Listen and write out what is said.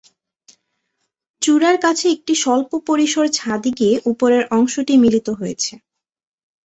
চূড়ার কাছে একটি স্বল্প পরিসর ছাদে গিয়ে উপরের অংশটি মিলিত হয়েছে।